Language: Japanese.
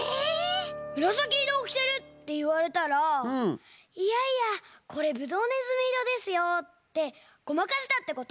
「むらさきいろをきてる！」っていわれたら「いやいやこれぶどうねずみいろですよ」ってごまかしたってこと？